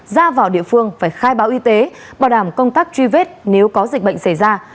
ra vào địa phương phải khai báo y tế bảo đảm công tác truy vết nếu có dịch bệnh xảy ra